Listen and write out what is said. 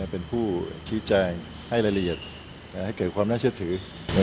เป็นผู้ชี้แจงให้รายละเอียดให้เกิดความน่าเชื่อถือ